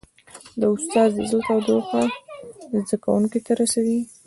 استاد د زړه تودوخه زده کوونکو ته رسوي.